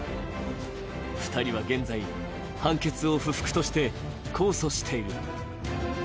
２人は現在、判決を不服として控訴している。